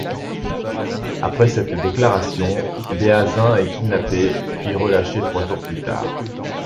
Après cette déclaration, Béhanzin est kidnappé, puis relâché trois jours plus tard.